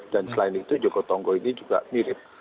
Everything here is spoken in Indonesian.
dan selain itu jogotongo ini juga mirip